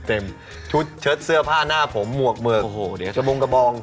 เต็มชุดเชิดเสื้อผ้าหน้าผมหมวกเหมือกจมูกกระบอง